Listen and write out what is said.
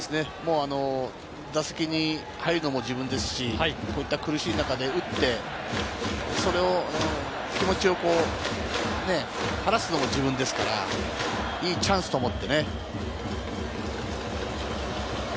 打席に入るのも自分ですし、苦しい中で打って、気持ちを晴らすのも自分ですから、いいチャンスと思ってね。